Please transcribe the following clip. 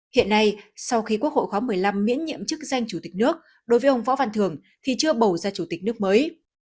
hiện nay sau khi quốc hội khóa một mươi năm miễn nhiệm chức danh chủ tịch nước đối với ông võ văn thường thì chưa bầu ra chủ tịch nước mới